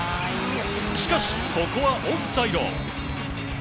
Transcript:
しかしここはオフサイド。